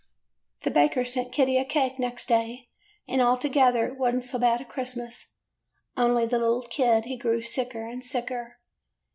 "The baker sent Kitty a cake next day ; and altogether it was n't so bad a Christmas, only the little kid, he grew sicker 'n sicker.